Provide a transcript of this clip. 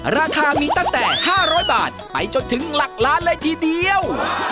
ราคามีตั้งแต่๕๐๐บาทไปจนถึงหลักล้านเลยทีเดียว